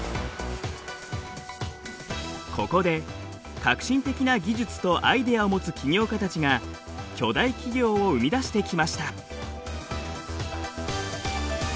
ここで革新的な技術とアイデアを持つ起業家たちが巨大企業を生み出してきました。